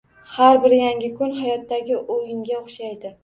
Har bir yangi kun hayotdagi o'yinga o'xshaydi.